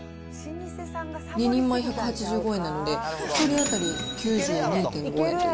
２人前１８５円なんで、１人当たり９２．５円という。